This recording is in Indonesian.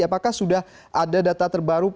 apakah sudah ada data terbaru